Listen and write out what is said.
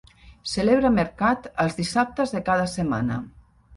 Celebra mercat els dissabtes de cada setmana.